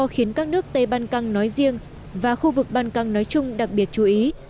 khiến các nước tây ban căng nói riêng và khu vực ban căng nói chung đặc biệt chú ý